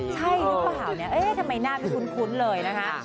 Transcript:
ใช่ลูกบ่าวเนี่ยเอ๊ะทำไมหน้าไม่คุ้นเลยนะฮะ